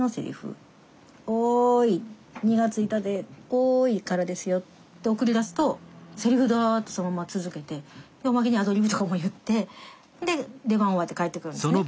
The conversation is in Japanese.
「おい」からですよって送り出すとセリフダッてそのまま続けておまけにアドリブとかも言ってで出番終わって帰ってくるんですね。